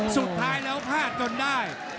สุดท้ายแล้วพลาดจนได้